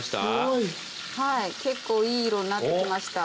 はい結構いい色になってきました。